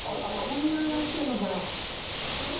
こんなになってるのかよ。